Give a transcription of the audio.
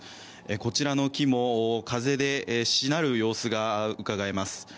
こちらの木も風でしなる様子がうかがえます。